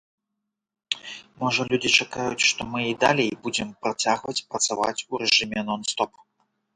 Можа, людзі чакаюць, што мы і далей будзем працягваць працаваць у рэжыме нон-стоп.